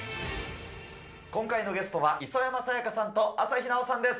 今回のゲストは磯山さやかさんと朝日奈央さんです。